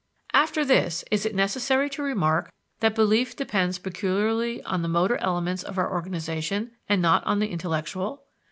After this, is it necessary to remark that belief depends peculiarly on the motor elements of our organization and not on the intellectual?